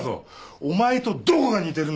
お前とどこが似てるんだよ！